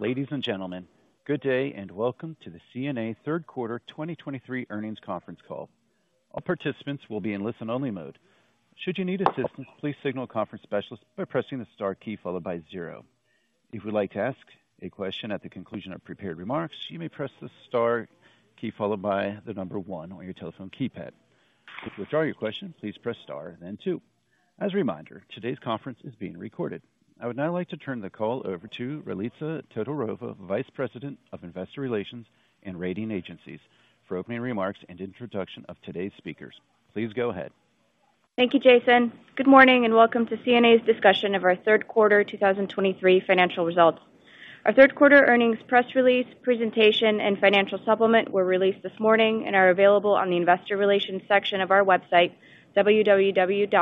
Ladies and gentlemen, good day, and welcome to the CNA Q3 2023 earnings conference call. All participants will be in listen-only mode. Should you need assistance, please signal a conference specialist by pressing the star key followed by zero. If you'd like to ask a question at the conclusion of prepared remarks, you may press the star key followed by the number one on your telephone keypad. To withdraw your question, please press star, then two. As a reminder, today's conference is being recorded. I would now like to turn the call over to Ralitza Todorova, Vice President of Investor Relations and Rating Agencies, for opening remarks and introduction of today's speakers. Please go ahead. Thank you, Jason. Good morning, and welcome to CNA's discussion of our Q3 2023 financial results. Our Q3 earnings press release, presentation, and financial supplement were released this morning and are available on the investor relations section of our website, www.cna.com.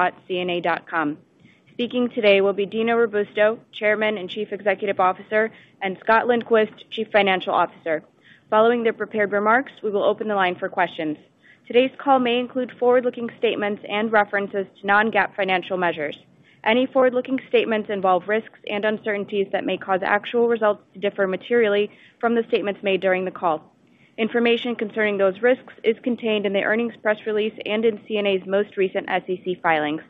Speaking today will be Dino Robusto, Chairman and Chief Executive Officer, and Scott Lindquist, Chief Financial Officer. Following their prepared remarks, we will open the line for questions. Today's call may include forward-looking statements and references to non-GAAP financial measures. Any forward-looking statements involve risks and uncertainties that may cause actual results to differ materially from the statements made during the call. Information concerning those risks is contained in the earnings press release and in CNA's most recent SEC filings.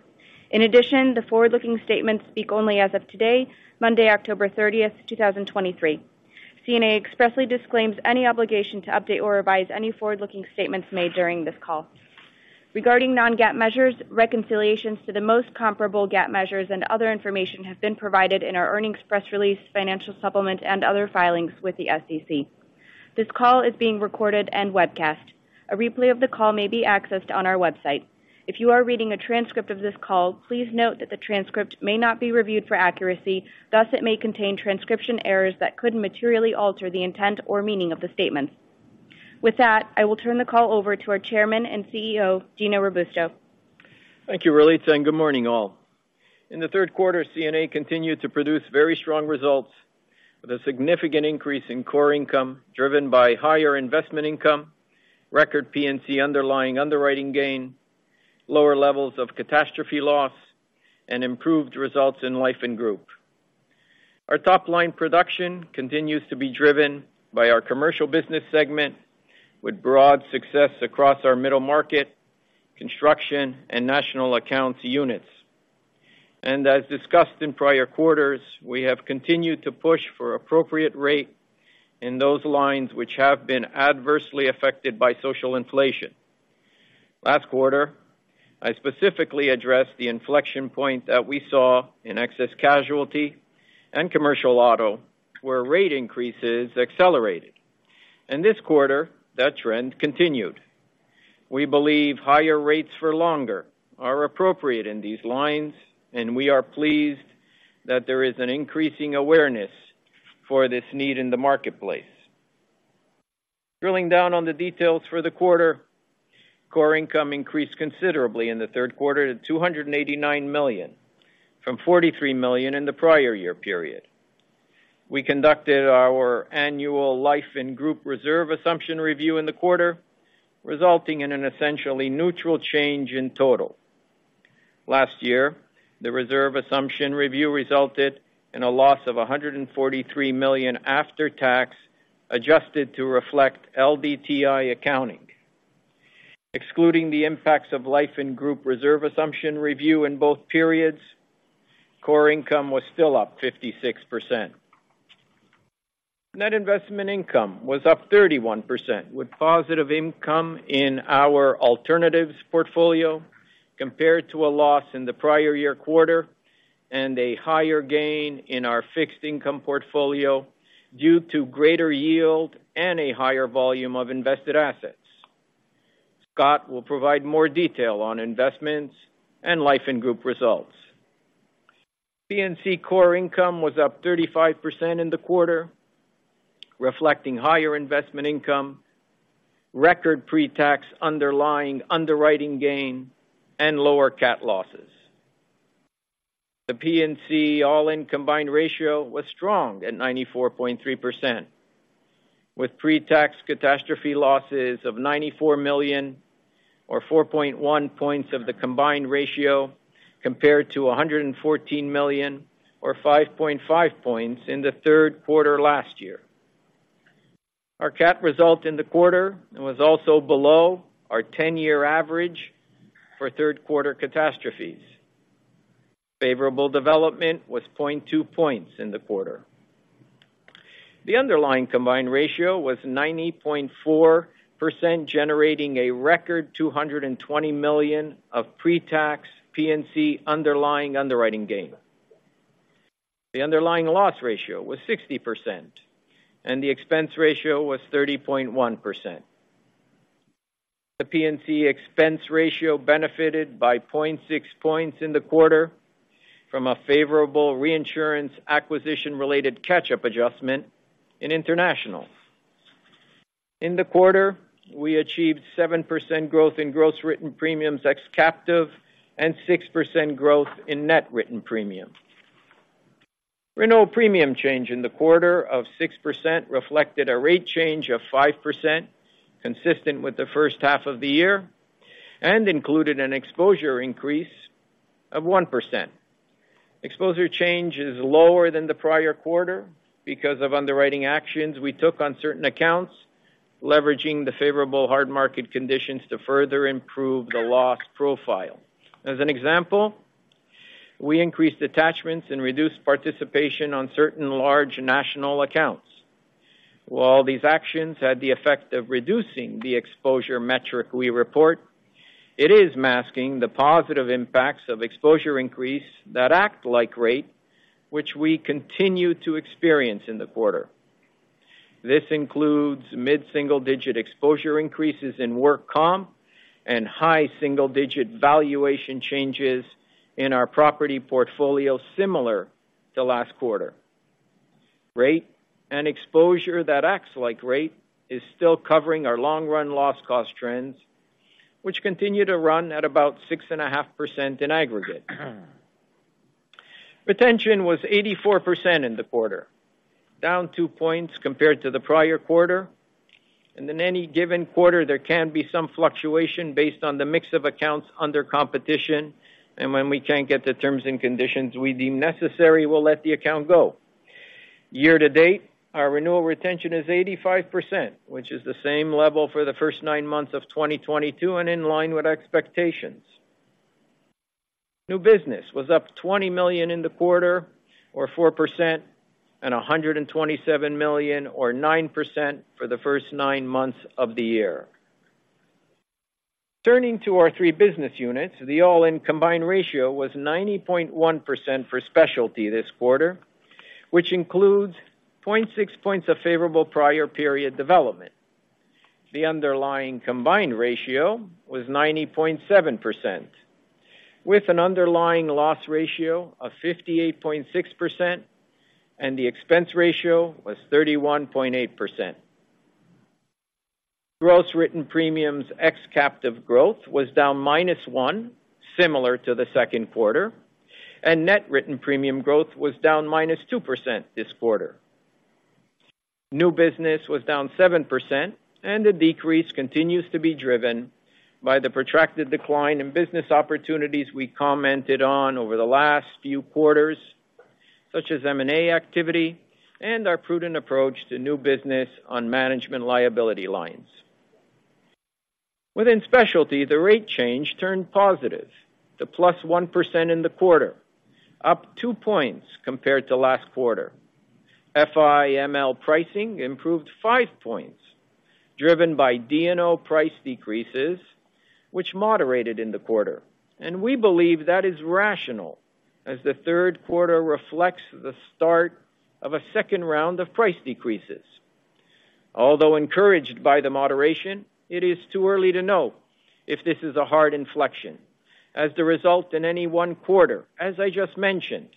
In addition, the forward-looking statements speak only as of today, Monday, October 30, 2023. CNA expressly disclaims any obligation to update or revise any forward-looking statements made during this call. Regarding non-GAAP measures, reconciliations to the most comparable GAAP measures and other information have been provided in our earnings press release, financial supplement, and other filings with the SEC. This call is being recorded and webcast. A replay of the call may be accessed on our website. If you are reading a transcript of this call, please note that the transcript may not be reviewed for accuracy; thus it may contain transcription errors that could materially alter the intent or meaning of the statements. With that, I will turn the call over to our Chairman and CEO, Dino Robusto. Thank you, Ralitza, and good morning, all. In the Q3, CNA continued to produce very strong results with a significant increase in core income, driven by higher investment income, record P&C underlying underwriting gain, lower levels of catastrophe loss, and improved results in life and group. Our top-line production continues to be driven by our commercial business segment, with broad success across our middle market, construction, and national accounts units. And as discussed in prior quarters, we have continued to push for appropriate rate in those lines which have been adversely affected by social inflation. Last quarter, I specifically addressed the inflection point that we saw in excess casualty and commercial auto, where rate increases accelerated. In this quarter, that trend continued. We believe higher rates for longer are appropriate in these lines, and we are pleased that there is an increasing awareness for this need in the marketplace. Drilling down on the details for the quarter, core income increased considerably in the Q3 to $289 million, from $43 million in the prior year period. We conducted our annual Life and Group reserve assumption review in the quarter, resulting in an essentially neutral change in total. Last year, the reserve assumption review resulted in a loss of $143 million after tax, adjusted to reflect LDTI accounting. Excluding the impacts of the Life and Group reserve assumption review in both periods, core income was still up 56%. Net investment income was up 31%, with positive income in our alternatives portfolio, compared to a loss in the prior year quarter, and a higher gain in our fixed income portfolio due to greater yield and a higher volume of invested assets. Scott will provide more detail on investments and Life and Group results. P&C core income was up 35% in the quarter, reflecting higher investment income, record pre-tax underlying underwriting gain, and lower cat losses. The P&C all-in combined ratio was strong at 94.3%, with pre-tax catastrophe losses of $94 million, or 4.1 points of the combined ratio, compared to $114 million, or 5.5 points in the Q3 last year. Our cat result in the quarter was also below our 10-year average for Q3 catastrophes. Favorable development was 0.2 points in the quarter. The underlying combined ratio was 90.4%, generating a record $220 million of pre-tax P&C underlying underwriting gain. The underlying loss ratio was 60%, and the expense ratio was 30.1%. The P&C expense ratio benefited by 0.6 points in the quarter from a favorable reinsurance acquisition-related catch-up adjustment in international. In the quarter, we achieved 7% growth in gross written premiums, ex-captive, and 6% growth in net written premium. Renewal premium change in the quarter of 6% reflected a rate change of 5%, consistent with the first half of the year and included an exposure increase of 1%. Exposure change is lower than the prior quarter because of underwriting actions we took on certain accounts, leveraging the favorable hard market conditions to further improve the loss profile. As an example, we increased attachments and reduced participation on certain large national accounts. While these actions had the effect of reducing the exposure metric we report, it is masking the positive impacts of exposure increase that act like rate, which we continue to experience in the quarter. This includes mid-single-digit exposure increases in Work Comp and high single-digit valuation changes in our property portfolio, similar to last quarter. Rate and exposure that acts like rate is still covering our long-run loss cost trends, which continue to run at about 6.5% in aggregate. Retention was 84% in the quarter, down two points compared to the prior quarter, and in any given quarter, there can be some fluctuation based on the mix of accounts under competition, and when we can't get the terms and conditions we deem necessary, we'll let the account go. Year to date, our renewal retention is 85%, which is the same level for the first nine months of 2022 and in line with expectations. New business was up $20 million in the quarter, or 4%, and $127 million or 9% for the first nine months of the year. Turning to our three business units, the all-in combined ratio was 90.1% for specialty this quarter, which includes 0.6 points of favorable prior period development. The underlying combined ratio was 90.7%, with an underlying loss ratio of 58.6%, and the expense ratio was 31.8%. Gross written premiums ex captive growth was down -1%, similar to the Q2, and net written premium growth was down -2% this quarter. New business was down 7%, and the decrease continues to be driven by the protracted decline in business opportunities we commented on over the last few quarters, such as M&A activity and our prudent approach to new business on management liability lines. Within specialty, the rate change turned positive to +1% in the quarter, up two points compared to last quarter. FIML pricing improved five points, driven by D&O price decreases, which moderated in the quarter, and we believe that is rational as the Q3 reflects the start of a second round of price decreases. Although encouraged by the moderation, it is too early to know if this is a hard inflection, as the result in any one quarter, as I just mentioned,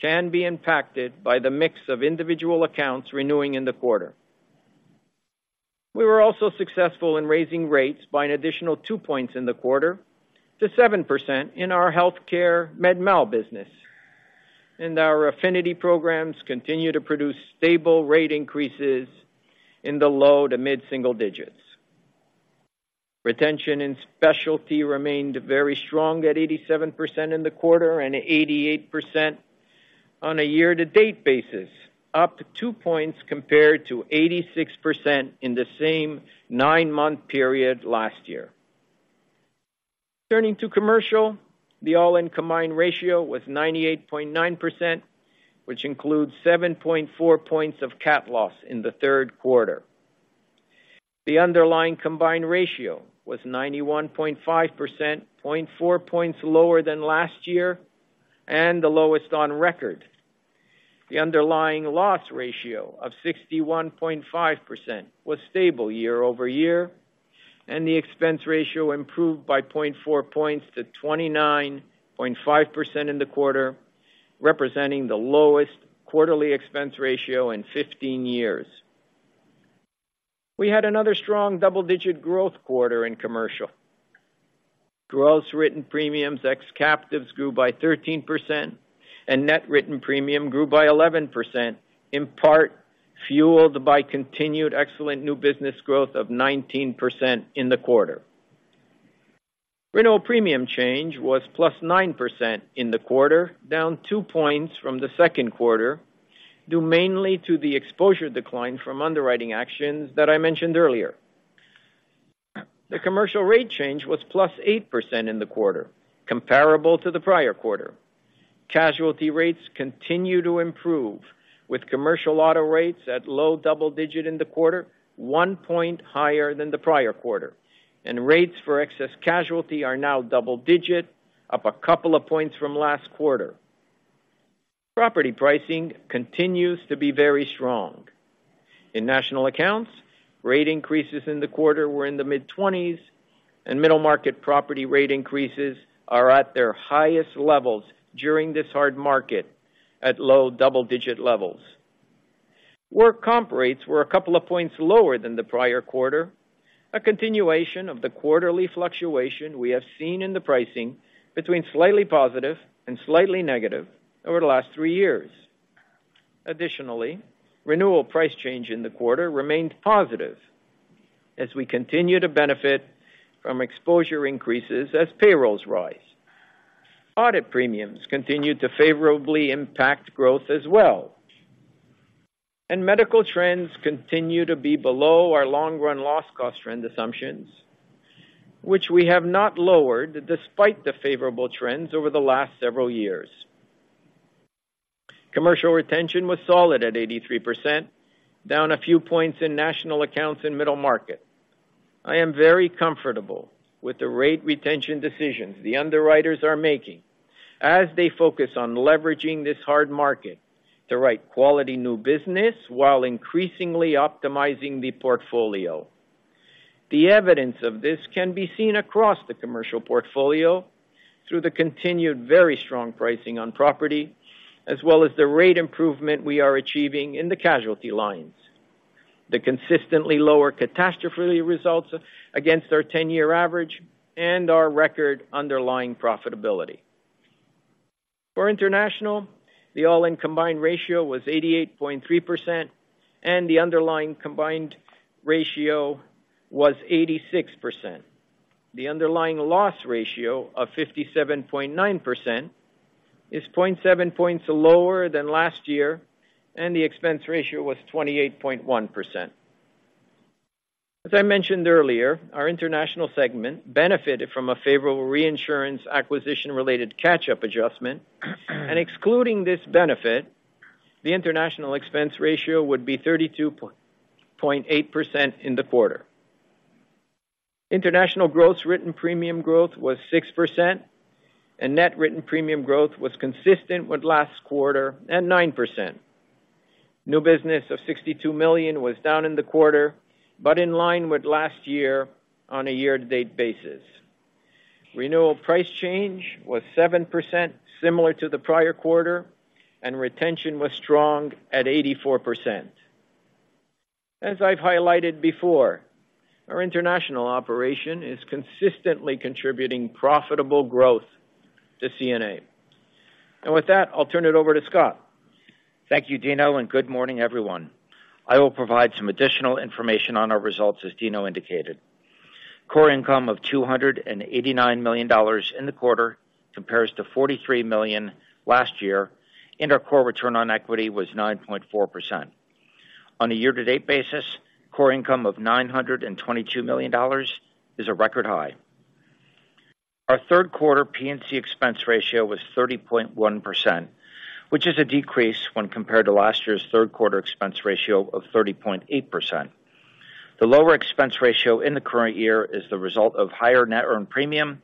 can be impacted by the mix of individual accounts renewing in the quarter. We were also successful in raising rates by an additional two points in the quarter to 7% in our healthcare MedMal business, and our affinity programs continue to produce stable rate increases in the low to mid single-digit. Retention in specialty remained very strong at 87% in the quarter and 88% on a year-to-date basis, up two points compared to 86% in the same 9-month period last year. Turning to commercial, the all-in combined ratio was 98.9%, which includes 7.4 points of cat loss in the Q3. The underlying combined ratio was 91.5%, 0.4 points lower than last year, and the lowest on record. The underlying loss ratio of 61.5% was stable year-over-year, and the expense ratio improved by 0.4 points to 29.5% in the quarter, representing the lowest quarterly expense ratio in 15 years. We had another strong double-digit growth quarter in commercial. Gross written premiums, ex captives, grew by 13%, and net written premium grew by 11%, in part fueled by continued excellent new business growth of 19% in the quarter. Renewal premium change was +9% in the quarter, down two points from the Q2, due mainly to the exposure decline from underwriting actions that I mentioned earlier. The commercial rate change was +8% in the quarter, comparable to the prior quarter. Casualty rates continue to improve, with commercial auto rates at low double-digit in the quarter, one point higher than the prior quarter, and rates for excess casualty are now double-digit, up a couple of points from last quarter. Property pricing continues to be very strong. In national accounts, rate increases in the quarter were in the mid-20s, and middle market property rate increases are at their highest levels during this hard market at low double-digit levels. Work comp rates were a couple of points lower than the prior quarter, a continuation of the quarterly fluctuation we have seen in the pricing between slightly positive and slightly negative over the last three years. Additionally, renewal price change in the quarter remained positive as we continue to benefit from exposure increases as payrolls rise. Audit premiums continued to favorably impact growth as well, and medical trends continue to be below our long-run loss cost trend assumptions, which we have not lowered despite the favorable trends over the last several years. Commercial retention was solid at 83%, down a few points in national accounts and middle market. I am very comfortable with the rate retention decisions the underwriters are making as they focus on leveraging this hard market to write quality new business while increasingly optimizing the portfolio. The evidence of this can be seen across the commercial portfolio through the continued very strong pricing on property, as well as the rate improvement we are achieving in the casualty lines, the consistently lower catastrophe results against our 10-year average, and our record underlying profitability. For international, the all-in combined ratio was 88.3%, and the underlying combined ratio was 86%. The underlying loss ratio of 57.9% is 0.7 points lower than last year, and the expense ratio was 28.1%. As I mentioned earlier, our international segment benefited from a favorable reinsurance acquisition-related catch-up adjustment, and excluding this benefit, the international expense ratio would be 32.8% in the quarter. International gross written premium growth was 6%, and net written premium growth was consistent with last quarter at 9%. New business of $62 million was down in the quarter, but in line with last year on a year-to-date basis. Renewal price change was 7%, similar to the prior quarter, and retention was strong at 84%. As I've highlighted before, our international operation is consistently contributing profitable growth to CNA. With that, I'll turn it over to Scott. Thank you, Dino, and good morning, everyone. I will provide some additional information on our results, as Dino indicated. Core income of $289 million in the quarter compares to $43 million last year, and our core return on equity was 9.4%. On a year-to-date basis, core income of $922 million is a record high. Our Q3 P&C expense ratio was 30.1%, which is a decrease when compared to last year's Q3 expense ratio of 30.8%. The lower expense ratio in the current year is the result of higher net earned premium,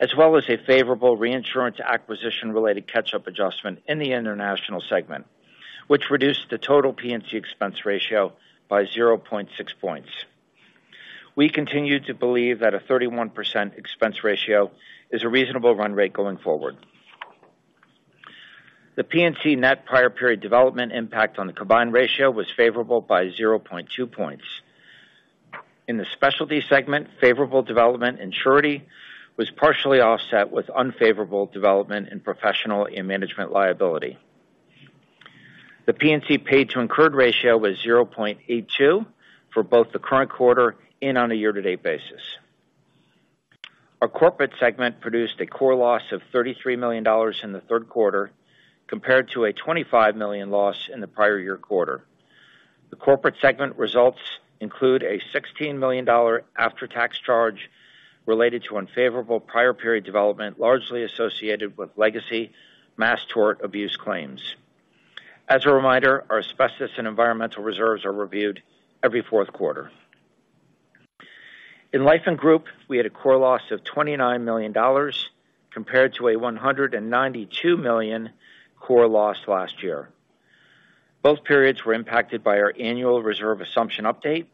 as well as a favorable reinsurance acquisition-related catch-up adjustment in the international segment, which reduced the total P&C expense ratio by 0.6 points. We continue to believe that a 31% expense ratio is a reasonable run rate going forward. The P&C net prior period development impact on the combined ratio was favorable by 0.2 points. In the specialty segment, favorable development in surety was partially offset with unfavorable development in professional and management liability. The P&C paid to incurred ratio was 0.82 for both the current quarter and on a year-to-date basis. Our corporate segment produced a core loss of $33 million in the Q3, compared to a $25 million loss in the prior year quarter. The corporate segment results include a $16 million after-tax charge related to unfavorable prior period development, largely associated with legacy mass tort abuse claims. As a reminder, our asbestos and environmental reserves are reviewed every Q4. In Life and Group, we had a core loss of $29 million, compared to a $192 million core loss last year. Both periods were impacted by our annual reserve assumption update,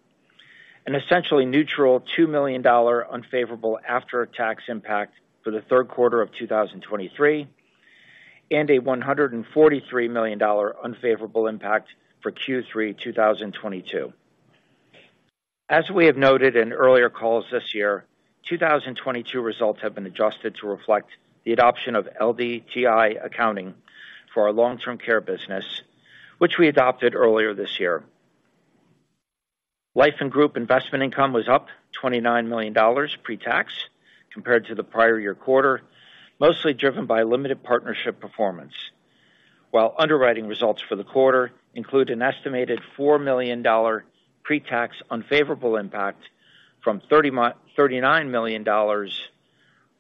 an essentially neutral $2 million unfavorable after-tax impact for the Q3 of 2023, and a $143 million unfavorable impact for Q3 2022. As we have noted in earlier calls this year, 2022 results have been adjusted to reflect the adoption of LDTI accounting for our long-term care business, which we adopted earlier this year. Life and Group investment income was up $29 million pre-tax compared to the prior year quarter, mostly driven by limited partnership performance, while underwriting results for the quarter include an estimated $4 million pre-tax unfavorable impact from $39 million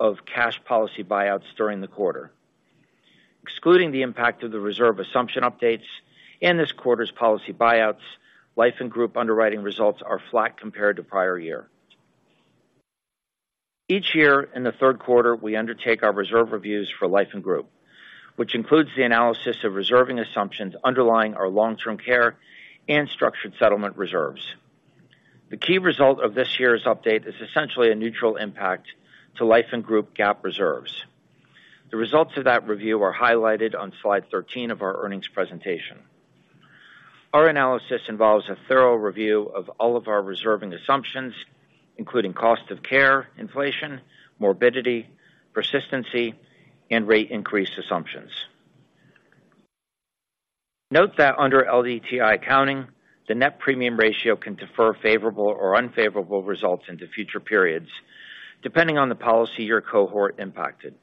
of cash policy buyouts during the quarter. Excluding the impact of the reserve assumption updates and this quarter's policy buyouts, Life and Group underwriting results are flat compared to prior year. Each year in the Q3, we undertake our reserve reviews for Life and Group, which includes the analysis of reserving assumptions underlying our long-term care and structured settlement reserves. The key result of this year's update is essentially a neutral impact to Life and Group GAAP reserves. The results of that review are highlighted on slide 13 of our earnings presentation. Our analysis involves a thorough review of all of our reserving assumptions, including cost of care, inflation, morbidity, persistency, and rate increase assumptions. Note that under LDTI accounting, the net premium ratio can defer favorable or unfavorable results into future periods, depending on the policy or cohort impacted.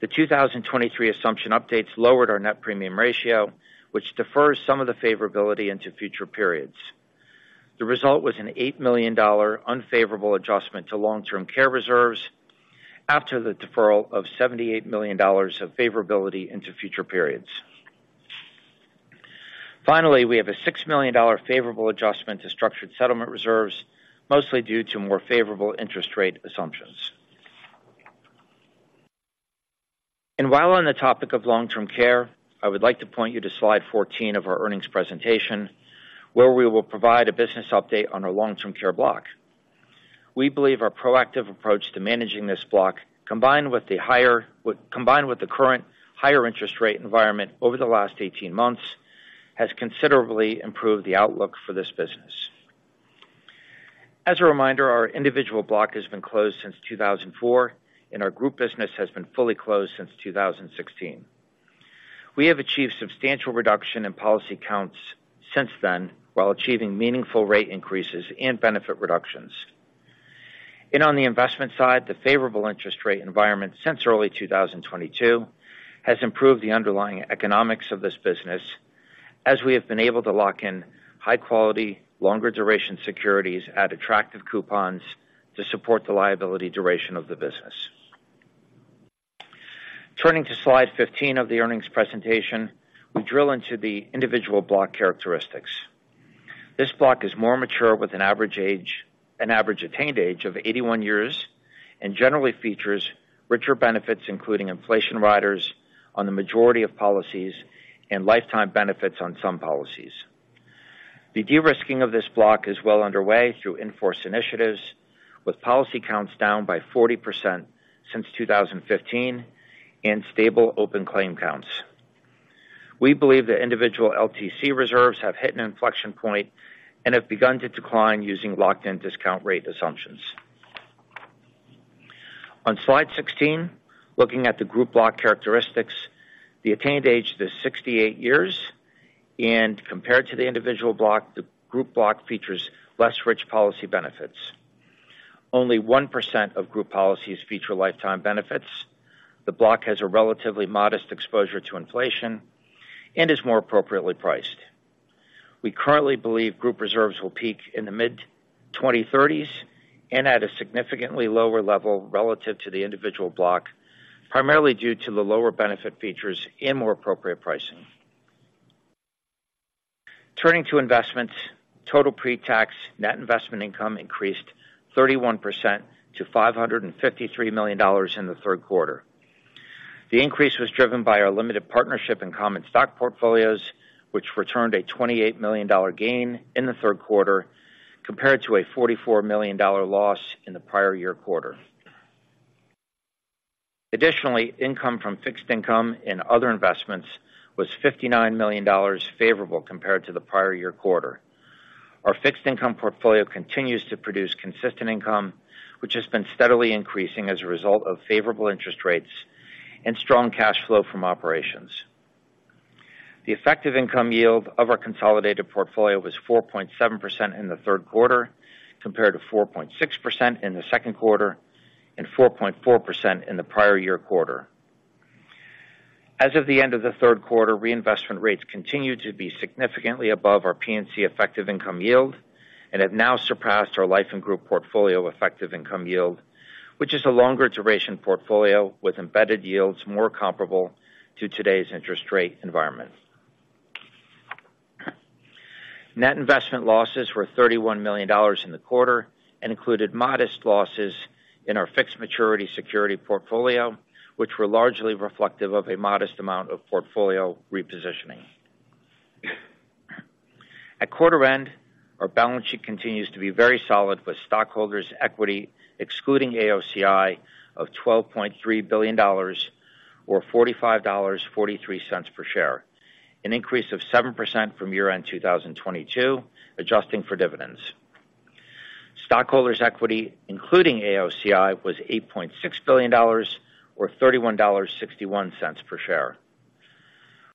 The 2023 assumption updates lowered our net premium ratio, which defers some of the favorability into future periods. The result was an $8 million unfavorable adjustment to long-term care reserves after the deferral of $78 million of favorability into future periods. Finally, we have a $6 million favorable adjustment to structured settlement reserves, mostly due to more favorable interest rate assumptions. While on the topic of long-term care, I would like to point you to slide 14 of our earnings presentation, where we will provide a business update on our long-term care block. We believe our proactive approach to managing this block, combined with the current higher interest rate environment over the last 18 months, has considerably improved the outlook for this business. As a reminder, our individual block has been closed since 2004, and our group business has been fully closed since 2016. We have achieved substantial reduction in policy counts since then, while achieving meaningful rate increases and benefit reductions. On the investment side, the favorable interest rate environment since early 2022 has improved the underlying economics of this business, as we have been able to lock in high-quality, longer duration securities at attractive coupons to support the liability duration of the business. Turning to slide 15 of the earnings presentation, we drill into the individual block characteristics. This block is more mature, with an average attained age of 81 years, and generally features richer benefits, including inflation riders on the majority of policies and lifetime benefits on some policies. The de-risking of this block is well underway through in-force initiatives, with policy counts are down by 40% since 2015, and stable open claim counts. We believe that individual LTC reserves have hit an inflection point and have begun to decline using locked-in discount rate assumptions. On slide 16, looking at the group block characteristics, the attained age is 68 years, and compared to the individual block, the group block features less rich policy benefits. Only 1% of group policies feature lifetime benefits. The block has a relatively modest exposure to inflation and is more appropriately priced. We currently believe group reserves will peak in the mid-2030s and at a significantly lower level relative to the individual block, primarily due to the lower benefit features and more appropriate pricing. Turning to investments, total pre-tax net investment income increased 31% to $553 million in the Q3. The increase was driven by our limited partnership in common stock portfolios, which returned a $28 million gain in the Q3, compared to a $44 million loss in the prior year quarter. Additionally, income from fixed income and other investments was $59 million favorable compared to the prior year quarter. Our fixed income portfolio continues to produce consistent income, which has been steadily increasing as a result of favorable interest rates and strong cash flow from operations. The effective income yield of our consolidated portfolio was 4.7% in the Q3, compared to 4.6% in the Q2, and 4.4% in the prior year quarter. As of the end of the third quarter, reinvestment rates continued to be significantly above our P&C effective income yield and have now surpassed our Life and Group portfolio effective income yield, which is a longer duration portfolio with embedded yields more comparable to today's interest rate environment. Net investment losses were $31 million in the quarter and included modest losses in our fixed maturity security portfolio, which were largely reflective of a modest amount of portfolio repositioning. At quarter end, our balance sheet continues to be very solid, with stockholders' equity, excluding AOCI, of $12.3 billion or $45.43 per share, an increase of 7% from year-end 2022, adjusting for dividends. Stockholders' equity, including AOCI, was $8.6 billion or $31.61 per share.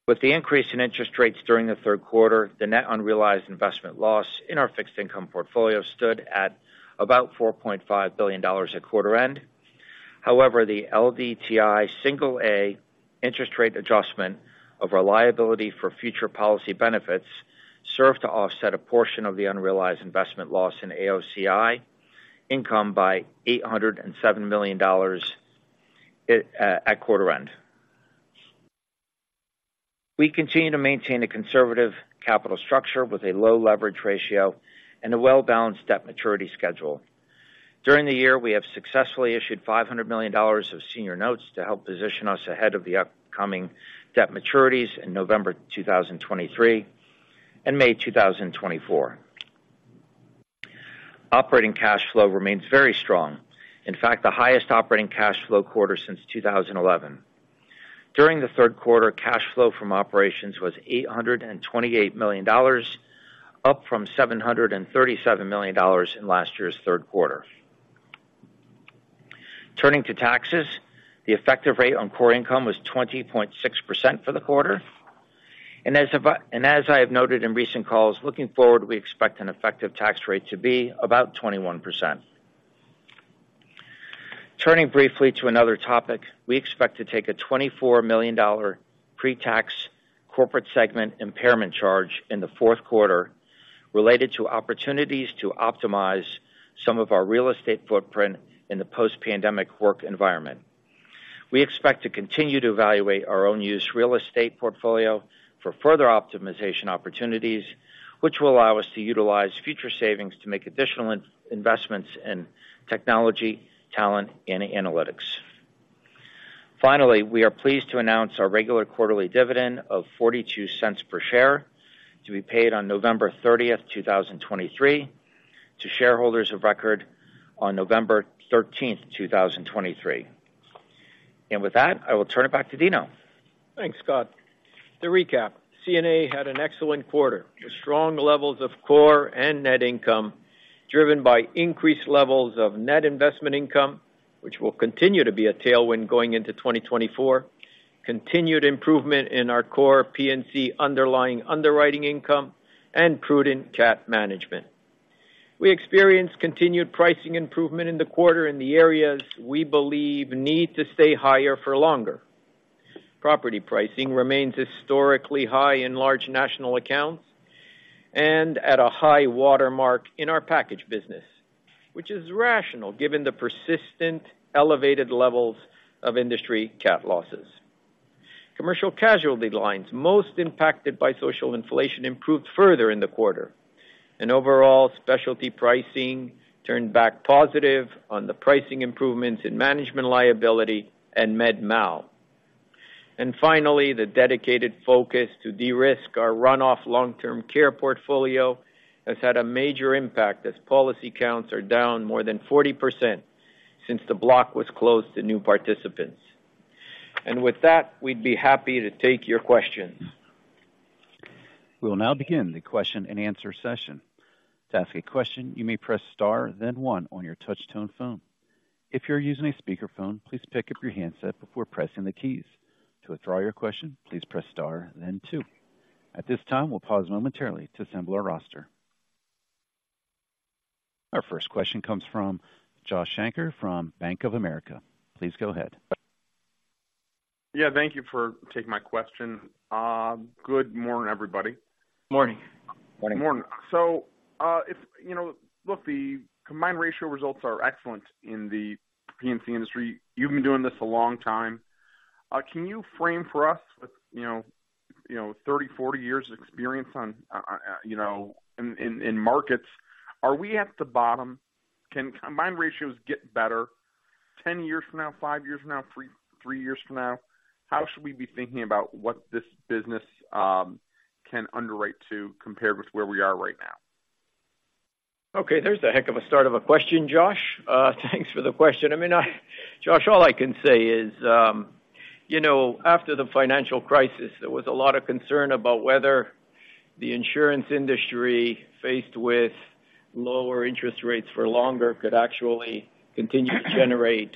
With the increase in interest rates during the Q3, the net unrealized investment loss in our fixed income portfolio stood at about $4.5 billion at quarter end. However, the LDTI Single A interest rate adjustment of our liability for future policy benefits served to offset a portion of the unrealized investment loss in AOCI income by $807 million at quarter end. We continue to maintain a conservative capital structure with a low leverage ratio and a well-balanced debt maturity schedule. During the year, we have successfully issued $500 million of senior notes to help position us ahead of the upcoming debt maturities in November 2023 and May 2024. Operating cash flow remains very strong. In fact, the highest operating cash flow quarter since 2011. During the Q3, cash flow from operations was $828 million, up from $737 million in last year's Q3. Turning to taxes, the effective rate on core income was 20.6% for the quarter, and as I have noted in recent calls, looking forward, we expect an effective tax rate to be about 21%. Turning briefly to another topic, we expect to take a $24 million pretax corporate segment impairment charge in the Q4, related to opportunities to optimize some of our real estate footprint in the post-pandemic work environment. We expect to continue to evaluate our own use real estate portfolio for further optimization opportunities, which will allow us to utilize future savings to make additional investments in technology, talent, and analytics. Finally, we are pleased to announce our regular quarterly dividend of $0.42 per share, to be paid on November 30th, 2023, to shareholders of record on November 13th, 2023. And with that, I will turn it back to Dino. Thanks, Scott. To recap, CNA had an excellent quarter, with strong levels of core and net income, driven by increased levels of net investment income, which will continue to be a tailwind going into 2024, continued improvement in our core P&C underlying underwriting income, and prudent cat management. We experienced continued pricing improvement in the quarter in the areas we believe need to stay higher for longer. Property pricing remains historically high in large national accounts and at a high watermark in our package business, which is rational, given the persistent elevated levels of industry cat losses. Commercial casualty lines, most impacted by social inflation, improved further in the quarter, and overall specialty pricing turned back positive on the pricing improvements in management liability and MedMal. And finally, the dedicated focus to de-risk our runoff long-term care portfolio has had a major impact, as policy counts are down more than 40% since the block was closed to new participants. And with that, we'd be happy to take your questions. We will now begin the question-and-answer session. To ask a question, you may press star, then one on your touch tone phone. If you're using a speakerphone, please pick up your handset before pressing the keys. To withdraw your question, please press star then two. At this time, we'll pause momentarily to assemble our roster. Our first question comes from Josh Shanker from Bank of America. Please go ahead. Yeah, thank you for taking my question. Good morning, everybody. Morning. Morning. Morning. So, if, you know, look, the combined ratio results are excellent in the P&C industry. You've been doing this a long time. Can you frame for us with, you know, you know, 30, 40 years of experience on, you know, in markets, are we at the bottom? Can combined ratios get better 10 years from now, five years from now, three years from now? How should we be thinking about what this business can underwrite to, compared with where we are right now? Okay, there's a heck of a start of a question, Josh. Thanks for the question. I mean, Josh, all I can say is, you know, after the financial crisis, there was a lot of concern about whether the insurance industry, faced with lower interest rates for longer, could actually continue to generate,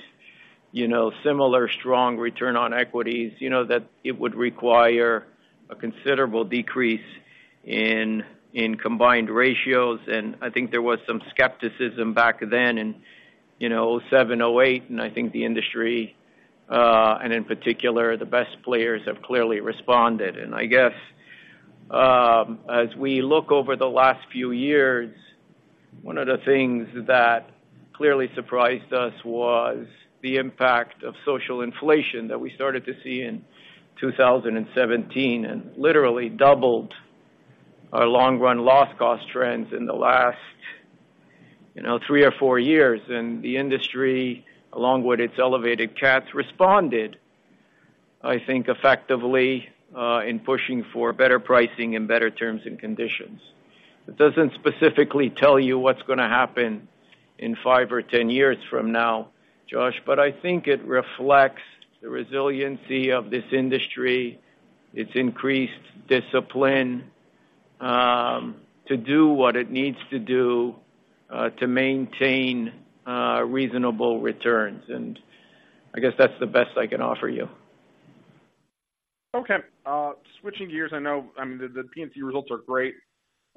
you know, similar strong return on equity. You know, that it would require a considerable decrease in combined ratios, and I think there was some skepticism back then in, you know, 2007, 2008, and I think the industry, and in particular, the best players, have clearly responded. I guess, as we look over the last few years, one of the things that clearly surprised us was the impact of social inflation that we started to see in 2017, and literally doubled our long-run loss cost trends in the last, you know, three or four years. The industry, along with its elevated cats, responded, I think, effectively, in pushing for better pricing and better terms and conditions. It doesn't specifically tell you what's gonna happen in five or 10 years from now, Josh, but I think it reflects the resiliency of this industry, its increased discipline, to do what it needs to do, to maintain, reasonable returns. I guess that's the best I can offer you. Okay. Switching gears, I know, I mean, the P&C results are great,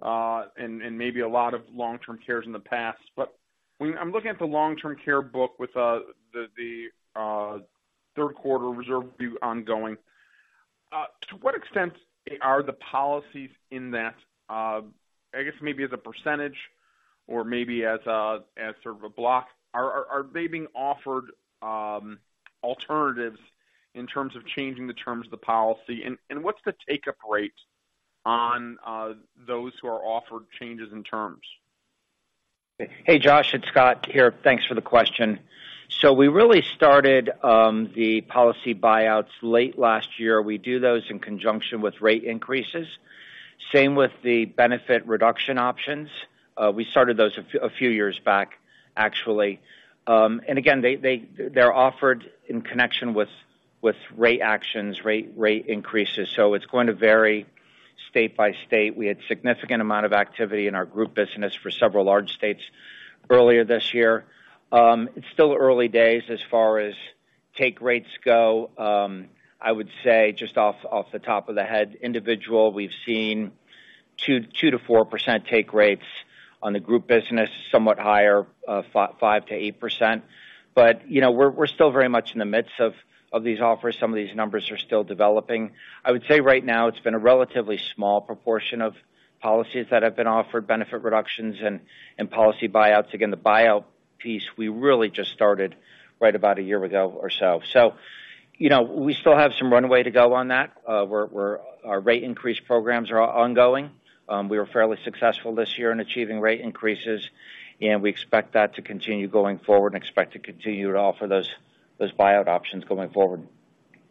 and maybe a lot of long-term cares in the past, but when I'm looking at the long-term care book with the Q3 reserve review ongoing, to what extent are the policies in that, I guess maybe as a percentage or maybe as a, as sort of a block, are they being offered alternatives in terms of changing the terms of the policy? And what's the take-up rate on those who are offered changes in terms? Hey, Josh, it's Scott here. Thanks for the question. So we really started the policy buyouts late last year. We do those in conjunction with rate increases. Same with the benefit reduction options. We started those a few years back, actually. And again, they're offered in connection with rate actions, rate increases, so it's going to vary state by state. We had significant amount of activity in our group business for several large states earlier this year. It's still early days as far as take rates go. I would say, just off the top of the head, individual, we've seen 2%-4% take rates. On the group business, somewhat higher, 5%-8%. But, you know, we're still very much in the midst of these offers. Some of these numbers are still developing. I would say right now, it's been a relatively small proportion of policies that have been offered benefit reductions and policy buyouts. Again, the buyout piece, we really just started right about a year ago or so. So, you know, we still have some runway to go on that. Our rate increase programs are ongoing. We were fairly successful this year in achieving rate increases, and we expect that to continue going forward and expect to continue to offer those buyout options going forward.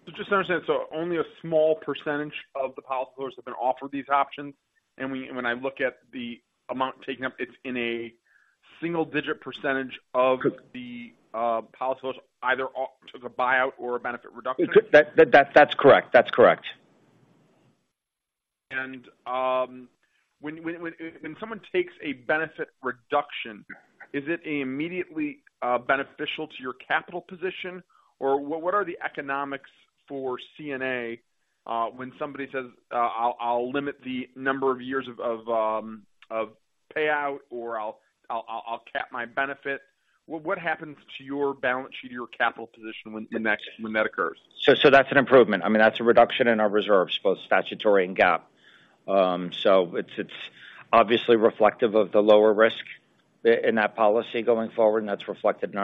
So just to understand, so only a small percentage of the policyholders have been offered these options? And when I look at the amount taken up, it's in a single-digit percentage of the policyholders, either took a buyout or a benefit reduction? That's correct. That's correct. When someone takes a benefit reduction, is it immediately beneficial to your capital position? Or what are the economics for CNA when somebody says, "I'll limit the number of years of payout or I'll cap my benefit," what happens to your balance sheet or your capital position when that occurs? So that's an improvement. I mean, that's a reduction in our reserves, both statutory and GAAP. So it's obviously reflective of the lower risk in that policy going forward, and that's reflected in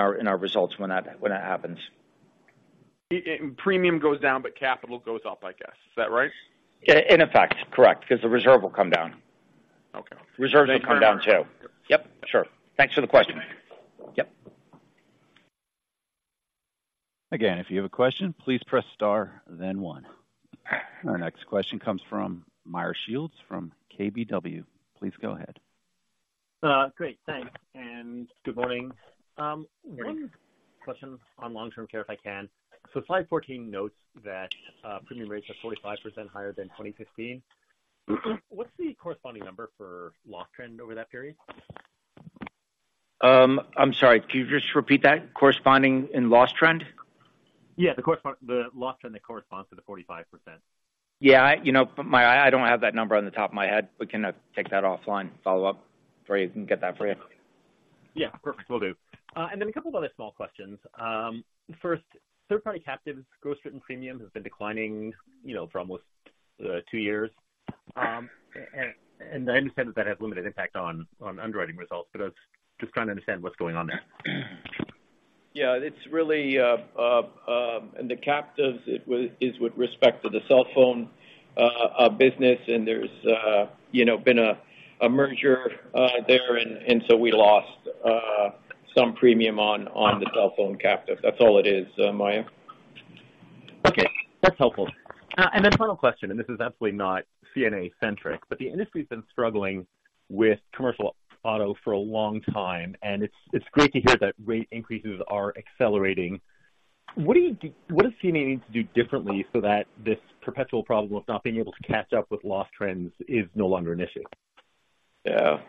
our results when that happens. Premium goes down, but capital goes up, I guess. Is that right? In effect, correct, because the reserve will come down. Okay. Reserves will come down, too. Yep, sure. Thanks for the question. Yep. Again, if you have a question, please press star, then one. Our next question comes from Meyer Shields from KBW. Please go ahead. Great. Thanks, and good morning. One question on Long-Term Care, if I can. So slide 14 notes that premium rates are 45% higher than 2015. What's the corresponding number for loss trend over that period? I'm sorry, could you just repeat that? Corresponding loss trend? Yeah, the loss trend that corresponds to the 45%. Yeah, you know, Meyer, I don't have that number on the top of my head, but we can take that offline, follow up, where I can get that for you. Yeah, perfect. Will do. And then a couple of other small questions. First, third-party captives gross written premium has been declining, you know, for almost two years. And I understand that that has limited impact on underwriting results, but I was just trying to understand what's going on there. Yeah, it's really the captives is with respect to the cell phone business, and there's, you know, there has been a merger there, and so we lost some premium on the cell phone captive. That's all it is, Meyer. Okay, that's helpful. And then final question, and this is absolutely not CNA centric, but the industry's been struggling with commercial auto for a long time, and it's great to hear that rate increases are accelerating. What does CNA need to do differently so that this perpetual problem of not being able to catch up with loss trends is no longer an issue? Yeah.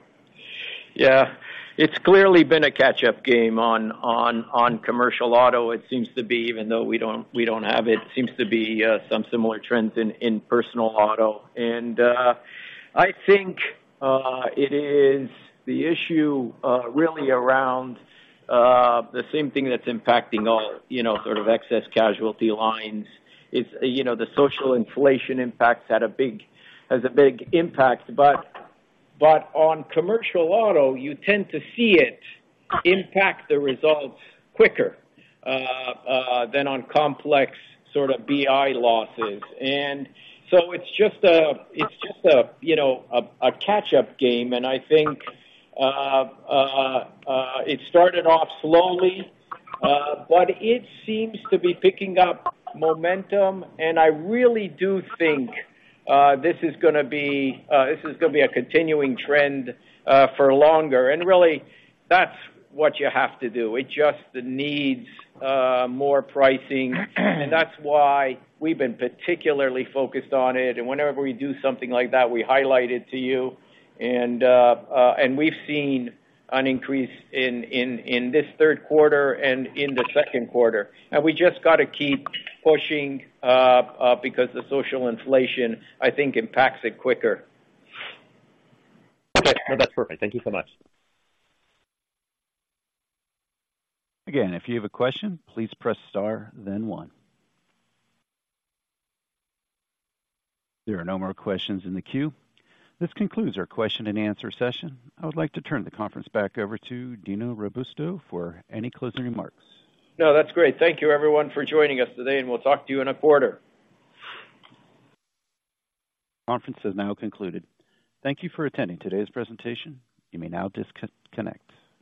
Yeah, it's clearly been a catch-up game on commercial auto. It seems to be, even though we don't, we don't have it, seems to be some similar trends in personal auto. And I think it is the issue really around the same thing that's impacting all, you know, sort of excess casualty lines. It's, you know, the social inflation impacts had a big -- has a big impact. But on commercial auto, you tend to see it impact the results quicker than on complex sort of BI losses. And so it's just a, you know, a catch-up game, and I think it started off slowly, but it seems to be picking up momentum, and I really do think this is gonna be a continuing trend for longer. And really, that's what you have to do. It just needs more pricing, and that's why we've been particularly focused on it. And whenever we do something like that, we highlight it to you. And we've seen an increase in this Q3 and in the second quarter. And we just got to keep pushing because the Social Inflation, I think, impacts it quicker. Okay. No, that's perfect. Thank you so much. Again, if you have a question, please press star then one. There are no more questions in the queue. This concludes our question and answer session. I would like to turn the conference back over to Dino Robusto for any closing remarks. No, that's great. Thank you, everyone, for joining us today, and we'll talk to you in a quarter. Conference is now concluded. Thank you for attending today's presentation. You may now disconnect.